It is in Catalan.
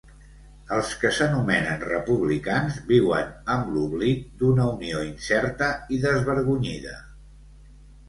Els que s'anomenen republicans viuen amb l'oblit d'una unió incerta i desvergonyida!